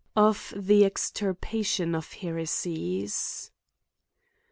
Of the extirpation of Heresies.